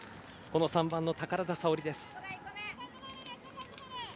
３番の宝田沙織です。